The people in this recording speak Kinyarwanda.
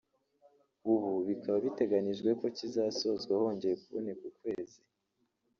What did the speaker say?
ubu bikaba biteganyijwe ko kizasozwa hongeye kuboneka ukwezi